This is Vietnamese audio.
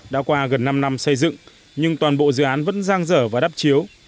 đã qua gần năm năm xây dựng nhưng toàn bộ dự án vẫn giang dở và đắp chiếu